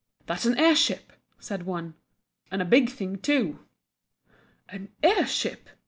"That's an air ship" said one "and a big thing, too!" "An air ship!"